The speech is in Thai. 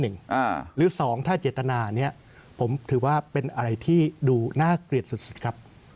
หรือสองถ้าเจตนานี้ผมถือว่าเป็นอะไรที่ดูน่าเกลียดสุดครับ